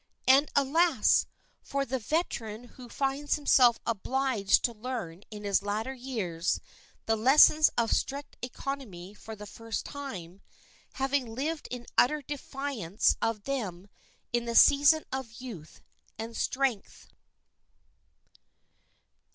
And, alas! for the veteran who finds himself obliged to learn in his latter years the lessons of strict economy for the first time, having lived in utter defiance of them in the season of youth and strength.